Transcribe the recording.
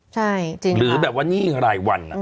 ใช่จริงหรือแบบว่าหนี้รายวัน